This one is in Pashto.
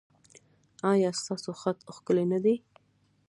ایا ستاسو خط ښکلی نه دی؟